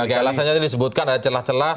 oke alasannya tadi disebutkan ada celah celah